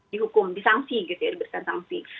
dihukum disangsi gitu ya